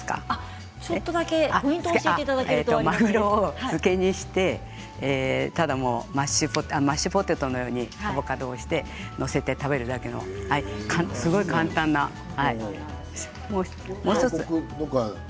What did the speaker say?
まぐろを漬けにしてマッシュポテトのようにアボカドをして載せて食べるだけのすごい簡単なものです。